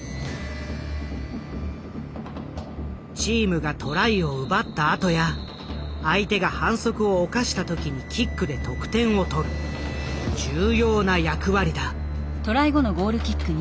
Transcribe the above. チームがトライを奪ったあとや相手が反則を犯した時にキックで得点を取る重要な役割だ。